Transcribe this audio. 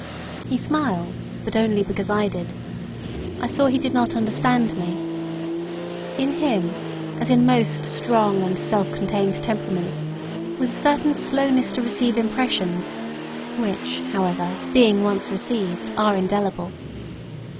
He smiled, but only because I did. I saw he did not understand me. In him, as in most strong and self contained temperaments, was a certain slowness to receive impressions, which, however, being once received, are indelible.